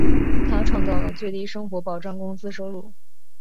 他创造了最低生活保障工资收入。